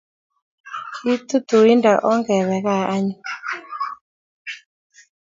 Kiitu tuindo ongebe gaa anyun